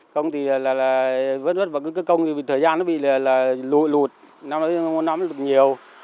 không thì là vứt vứt vào cơ công thì thời gian nó bị lụt nó bị lụt nhiều